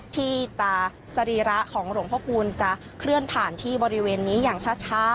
ที่สรีระของหลวงพระคูณจะเคลื่อนผ่านที่บริเวณนี้อย่างช้า